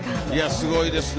すごいですね。